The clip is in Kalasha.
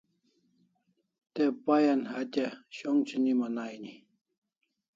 Te pay an hatya sh'ong chiniman aini